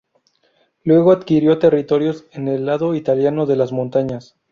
Luego adquirió territorios en el lado italiano de las montañas.